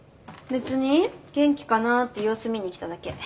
元気かなって様子見に来ただけ。